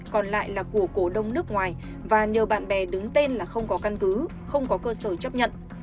còn lại là của cổ đông nước ngoài và nhờ bạn bè đứng tên là không có căn cứ không có cơ sở chấp nhận